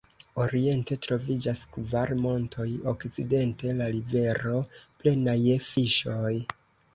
Oriente troviĝas kvar montoj, okcidente la rivero plena je fiŝoj.